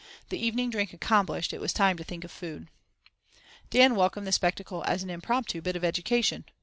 The evening drink accomplished, it was time to think of food. Dan welcomed the spectacle as an "impromptu bit of education.